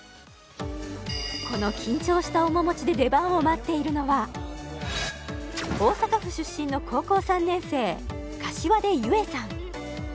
この緊張した面持ちで出番を待っているのは大阪府出身の高校３年生膳柚英さん